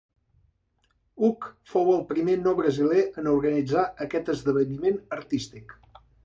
Hug fou el primer no brasiler en organitzar aquest esdeveniment artístic.